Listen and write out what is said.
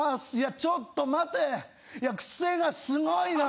ちょっとまてクセがすごいな！